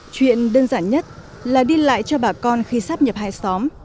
chuyện đơn giản nhất là đi lại cho bà con khi sắp nhập hai xóm